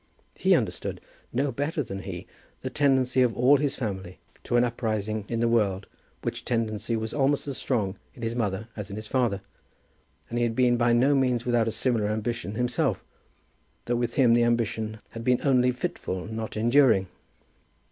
He understood, no one better than he, the tendency of all his family to an uprising in the world, which tendency was almost as strong in his mother as in his father. And he had been by no means without a similar ambition himself, though with him the ambition had been only fitful, not enduring.